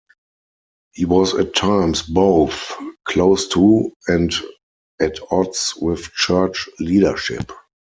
He was at times both close to and at odds with church leadership.